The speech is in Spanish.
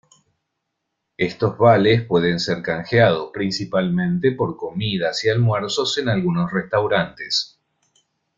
Estos vales pueden ser canjeados principalmente por comidas y almuerzos en algunos restaurantes.